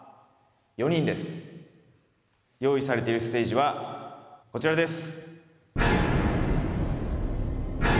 用意されているステージはこちらです。